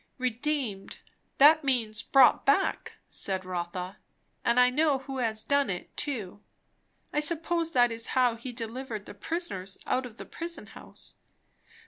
Redeemed, that means, bought back, said Rotha; and I know who has done it, too. I suppose that is how he delivered the prisoners out of the prison house.